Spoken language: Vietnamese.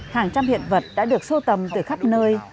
hàng trăm hiện vật đã được sâu tầm từ khắp nơi